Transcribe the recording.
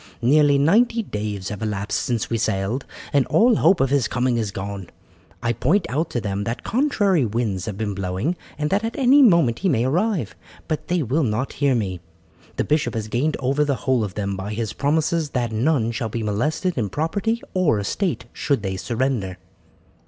Nearly ninety days have elapsed since we sailed, and all hope of his coming is gone. I point out to them that contrary winds have been blowing, and that at any moment he may arrive; but they will not hear me. The bishop has gained over the whole of them by his promises that none shall be molested in property or estate should they surrender."